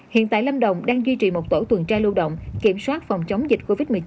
hiện tại lâm đồng đang duy trì một tổ tuần tra lưu động kiểm soát phòng chống dịch covid một mươi chín